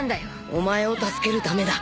「お前を助けるためだ」